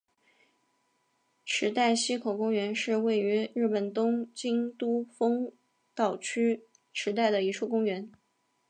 池袋西口公园是位于日本东京都丰岛区池袋的一处公园。